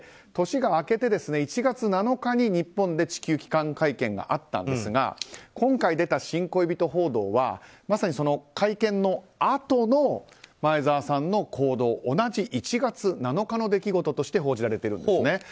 年が明けて１月７日に日本で地球帰還会見があったんですが今回出た新恋人報道はまさにその会見のあとの前澤さんの行動同じ１月７日の出来事として報じられているんです。